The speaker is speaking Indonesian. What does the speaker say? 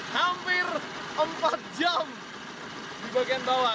hampir empat jam di bagian bawah